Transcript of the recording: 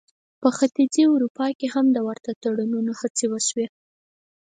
په ختیځې اروپا کې هم د ورته تړونونو هڅې وشوې.